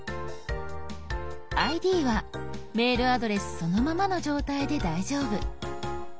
「ＩＤ」はメールアドレスそのままの状態で大丈夫。